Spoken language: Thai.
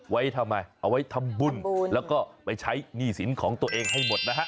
ไว้ทำไมเอาไว้ทำบุญแล้วก็ไปใช้หนี้สินของตัวเองให้หมดนะฮะ